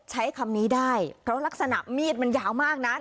ใช้คำนี้ได้เพราะลักษณะมีดมันยาวมากนะ